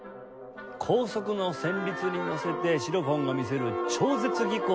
高速の旋律にのせてシロフォンが見せる超絶技巧。